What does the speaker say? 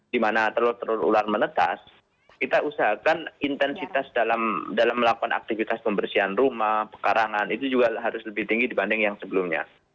di mana telur telur ular menetas kita usahakan intensitas dalam melakukan aktivitas pembersihan rumah pekarangan itu juga harus lebih tinggi dibanding yang sebelumnya